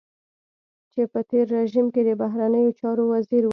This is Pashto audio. چې په تېر رژيم کې د بهرنيو چارو وزير و.